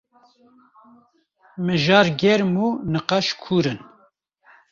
Mijar germ û nîqaş kûr in.